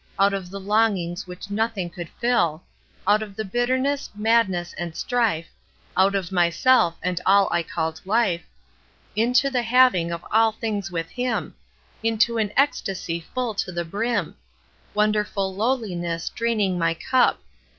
Out of the longings which nothing could fill; Out of the bitterness, madness, and strife, Out of myself and all I called life, — Into the having of all things with him I Into an ecstasy full to the brim I Wonderful lowliness, draining my cup